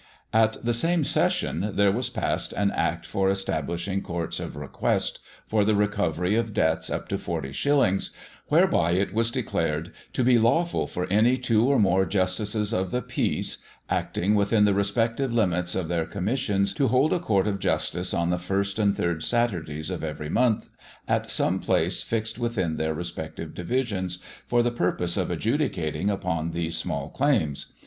At the same session, there was passed an Act for establishing Courts of Request for the recovery of debts up to forty shillings, whereby it was declared to be lawful for any two or more Justices of the Peace, acting within the respective limits of their commissions, to hold a court of justice on the first and third Saturdays of every month at some place fixed within their respective divisions, for the purpose of adjudicating upon these small claims.